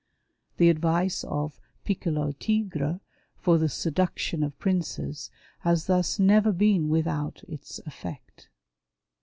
The advice of Piccolo Tigre for the seduction of princes has thus never been without its effect.